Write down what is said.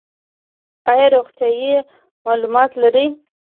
ایا روغتیایی معلومات لرئ؟